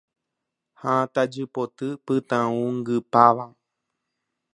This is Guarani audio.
Ha tajy poty pytãungypáva